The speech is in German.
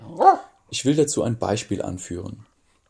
Ich will dazu ein Beispiel anführen.